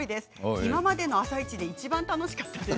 今までの「あさイチ」でいちばん楽しかったです。